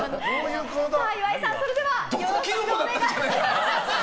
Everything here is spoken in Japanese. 岩井さんよろしくお願いします。